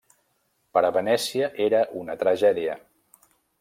Per a Venècia era una tragèdia.